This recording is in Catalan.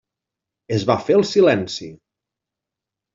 Es va fer el silenci.